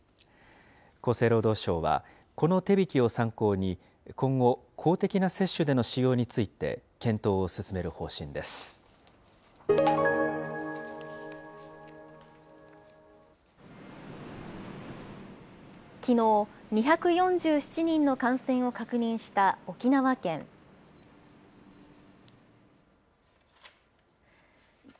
厚生労働省は、この手引を参考に今後、公的な接種での使用について、検討を進めきのう、２４７人の感染を確認した沖縄県。